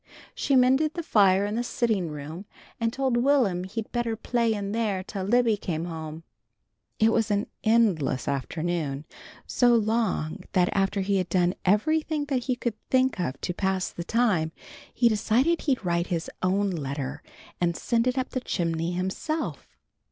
She mended the fire in the sitting room and told Will'm he'd better play in there till Libby came home. It was an endless afternoon, so long that after he had done everything that he could think of to pass the time, he decided he'd write his own letter and send it up the chimney himself.